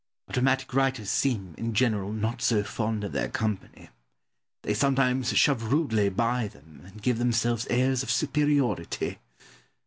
Our dramatic writers seem, in general, not so fond of their company; they sometimes shove rudely by them, and give themselves airs of superiority.